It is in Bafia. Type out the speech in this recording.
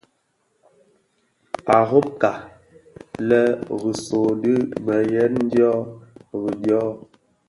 A robka lë risoo di mëdyëm dyô rì dyô.